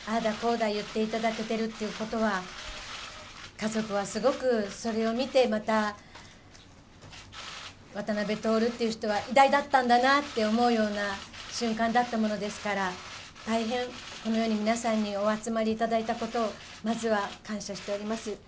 家族はすごくそれを見てまた渡辺徹っていう人は偉大だったんだなと思うような瞬間だったものですから大変このように皆さんにお集まりいただいたことをまずは感謝しております。